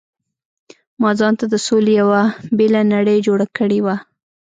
ما ځانته د سولې یو بېله نړۍ جوړه کړې وه.